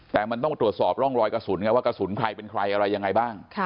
แต่มันต้องตรวจสอบร่องรอยกระสุนไงว่ากระสุนใครเป็นใครอะไรยังไงบ้าง